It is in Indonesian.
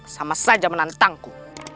sama saja menantangku